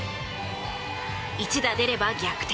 一打出れば逆転。